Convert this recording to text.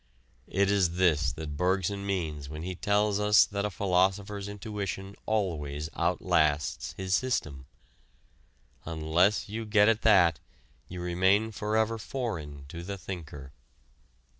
It is this that Bergson means when he tells us that a philosopher's intuition always outlasts his system. Unless you get at that you remain forever foreign to the thinker.